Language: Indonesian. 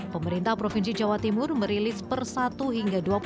pemerintah provinsi jawa timur merilis per satu hingga dua puluh